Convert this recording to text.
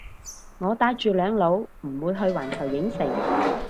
我帶住兩老唔會去環球影城